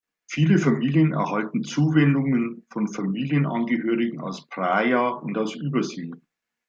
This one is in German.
Viele Familien erhalten Zuwendungen von Familienangehörigen aus Praia und aus Übersee.